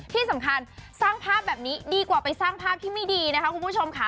ที่สำคัญสร้างภาพแบบนี้ดีกว่าไปสร้างภาพที่ไม่ดีนะคะคุณผู้ชมค่ะ